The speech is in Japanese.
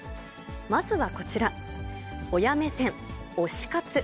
まずはこちら、親目線推し活。